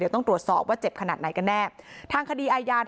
เดี๋ยวต้องตรวจสอบว่าเจ็บขนาดไหนก็แน่ทางคดีอายาน